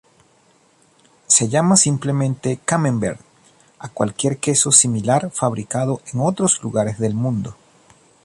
Se llama simplemente camembert a cualquier queso similar fabricado en otros lugares del mundo.